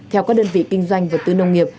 theo các đơn vị kinh doanh vật tư nông nghiệp